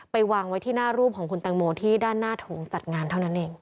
วางไว้ที่หน้ารูปของคุณแตงโมที่ด้านหน้าถุงจัดงานเท่านั้นเอง